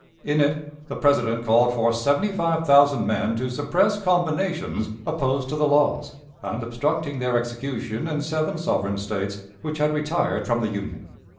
In it the President called for seventy five thousand men to suppress "combinations" opposed to the laws, and obstructing their execution in seven sovereign States which had retired from the Union.